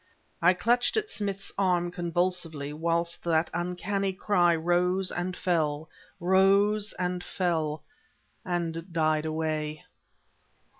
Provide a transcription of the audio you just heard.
I clutched at Smith's arm convulsively whilst that uncanny cry rose and fell rose and fell and died away.